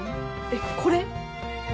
えっこれ？